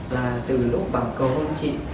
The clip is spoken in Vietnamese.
là từ lúc bảo cầu hôn chị